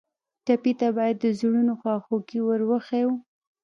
ټپي ته باید د زړونو خواخوږي ور وښیو.